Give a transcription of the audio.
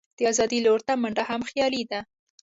د آزادۍ لور ته منډه هم خیالي ده.